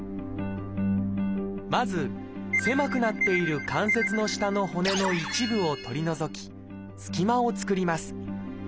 まず狭くなっている関節の下の骨の一部を取り除き隙間を作ります。